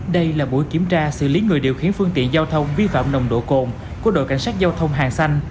đây là buổi kiểm tra xử lý người điều khiển phương tiện giao thông vi phạm nồng độ cồn của đội cảnh sát giao thông hàng xanh